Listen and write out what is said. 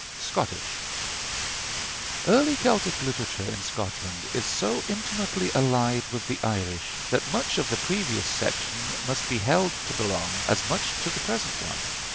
II SCOTTISH Early Celtic literature in Scotland is so intimately allied with the Irish, that much of the previous section must be held to belong as much to the present one.